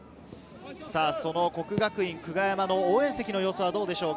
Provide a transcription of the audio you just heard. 國學院久我山の応援席の様子はどうでしょうか？